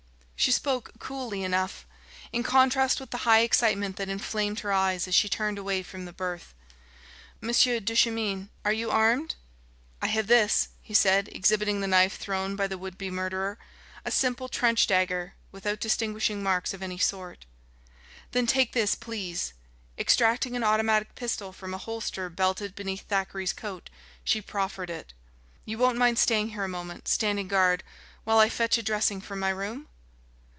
She spoke coolly enough, in contrast with the high excitement that inflamed her eyes as she turned away from the berth. "Monsieur Duchemin, are you armed?" "I have this," he said, exhibiting the knife thrown by the would be murderer a simple trench dagger, without distinguishing marks of any sort. "Then take this, please." Extracting an automatic pistol from a holster belted beneath Thackeray's coat, she proffered it. "You won't mind staying here a moment, standing guard, while I fetch a dressing from my room?"